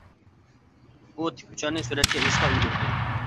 ئۇ تىك ئۇچارنى سۈرەتكە ئېلىشقا ئۈلگۈردى.